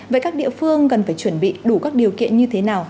vậy các địa phương cần phải chuẩn bị đủ các điều kiện như thế nào